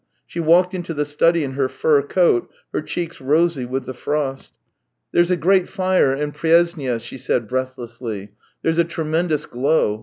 She walked into the study in her fur coat, her cheeks rosy with the frost. " There's a great fire in Pryesnya," she said breathlessly. " There's a tremendous glow.